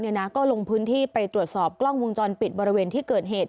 ก็ลงพื้นที่ไปตรวจสอบกล้องวงจรปิดบริเวณที่เกิดเหตุ